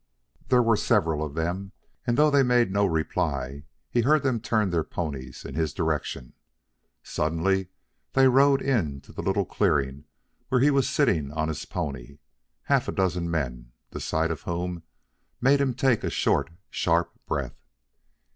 There were several of them, and though they made no reply, he heard them turn their ponies in his direction. Suddenly there rode into the little clearing where he was sitting on his pony, half a dozen men, the sight of whom made him take a short, sharp breath.